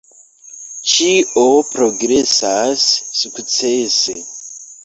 Ĉio progresas sukcese.